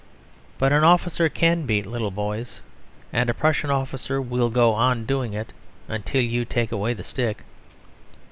But an officer can beat little boys: and a Prussian officer will go on doing it until you take away the stick.